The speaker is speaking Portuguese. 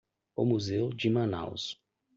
O museu de Manaus.